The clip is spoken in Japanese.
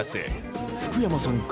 福山さんから。